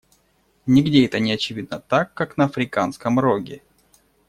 Нигде это не очевидно так, как на Африканском Роге.